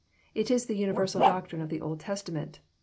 It is the universal doctrine of the Old Testament.